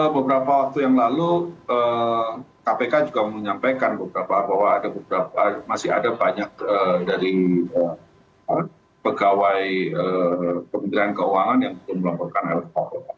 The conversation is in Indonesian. beberapa waktu yang lalu kpk juga menyampaikan bahwa masih ada banyak dari pegawai kementerian keuangan yang belum melaporkan lhk